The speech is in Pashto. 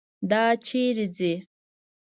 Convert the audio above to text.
دا چیرې ځي.